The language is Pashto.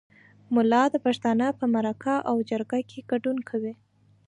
ملا د پښتانه په مرکه او جرګه کې ګډون کوي.